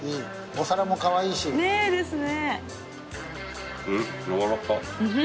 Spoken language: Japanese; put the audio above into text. お皿もかわいいし。ですね。